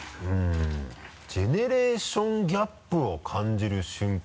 「ジェネレーションギャップを感じる瞬間」